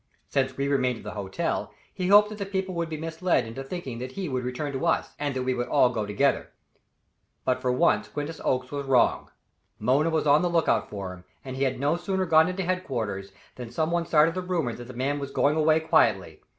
Since we remained at the hotel, he hoped that the people would be misled into thinking that he would return to us, and that we would all go together. But for once Quintus Oakes was wrong. Mona was on the lookout for him, and he had no sooner gone into headquarters than some one started the rumor that the man was going away quietly.